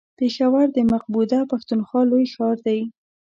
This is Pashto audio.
پېښور د مقبوضه پښتونخوا لوی ښار دی.